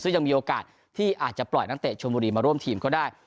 ซึ่งยังมีโอกาสที่อาจจะปล่อยนักเตะชนบุรีมาร่วมทีมก็ได้